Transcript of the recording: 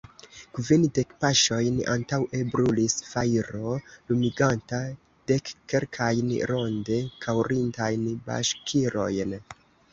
Kvindek paŝojn antaŭe brulis fajro, lumiganta dekkelkajn ronde kaŭrintajn baŝkirojn.